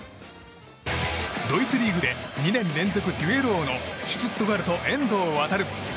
ドイツリーグで２年連続デュエル王のシュツットガルト、遠藤航。